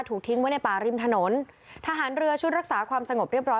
ทิ้งไว้ในป่าริมถนนทหารเรือชุดรักษาความสงบเรียบร้อ